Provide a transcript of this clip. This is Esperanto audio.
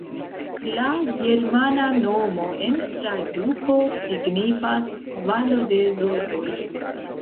La germana nomo en traduko signifas valo de zorgoj.